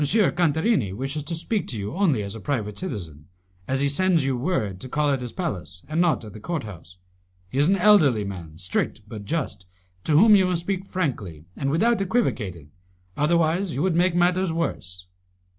Cantarini wishes to speak to you only as a private citizen, as he sends you word to call at his palace and not at the court house. He is an elderly man, strict but just, to whom you must speak frankly and without equivocating, otherwise you would make matters worse."